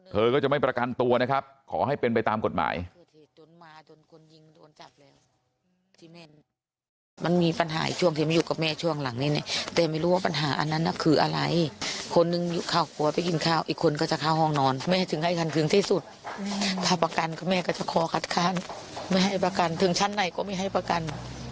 เธอก็จะไม่ประกันตัวนะครับขอให้เป็นไปตามกฎหมาย